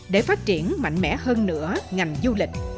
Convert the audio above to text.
để phát triển mạnh mẽ hơn nữa ngành du lịch